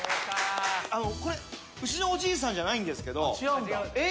これうちのおじいさんじゃないんですけどあっ違うんだ英